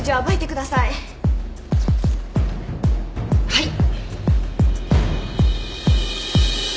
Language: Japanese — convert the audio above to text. はい！